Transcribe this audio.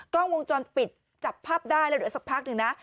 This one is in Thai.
กล้องวงจรปิดจับภาพได้เลยสักพักนึงนะ